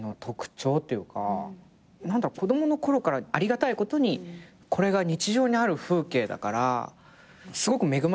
子供のころからありがたいことにこれが日常にある風景だからすごく恵まれてるんですよ